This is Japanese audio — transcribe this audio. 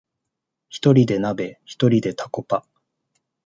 ひとりで鍋、ひとりでタコパ